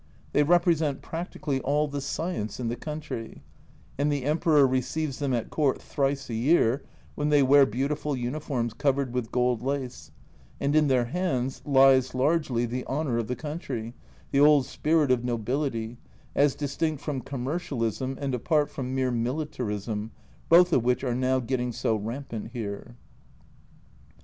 They represent practically all the science in the country, and the Emperor receives them at Court thrice a year, when they wear beautiful uniforms covered with gold lace, and in their hands lies largely the honour of the A Journal from Japan 77 country, the old spirit of nobility, as distinct from commercialism and apart from mere militarism, both of which are now getting so rampant here.